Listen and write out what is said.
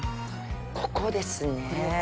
ここですね。